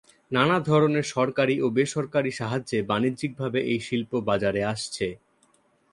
নানা ধরনের সরকারি ও বেসরকারি সাহায্যে বাণিজ্যিক ভাবে এই শিল্প বাজারে আসছে।